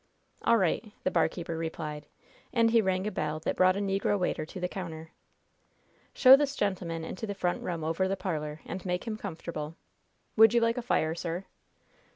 "All right," the barkeeper replied, and he rang a bell that brought a negro waiter to the counter. "Show this gentleman into the front room over the parlor, and make him comfortable. Would you like a fire, sir?"